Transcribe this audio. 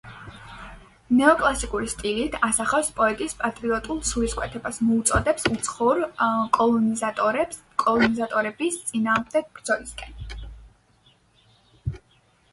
მისი ლექსები დაწერილია ნეოკლასიკური სტილით, ასახავს პოეტის პატრიოტულ სულისკვეთებას, მოუწოდებს უცხოურ კოლონიზატორების წინააღმდეგ ბრძოლისაკენ.